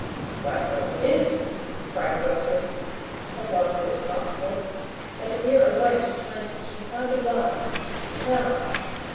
"Why, so I did," cries Western, "as long as it was possible; but to hear a wench telling such confounded lies Zounds!